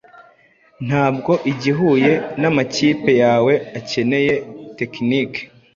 ntabwo igihuye namakipe yawe akeneye tekiniki